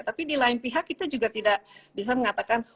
tapi di lain pihak kita juga tidak bisa mengatakan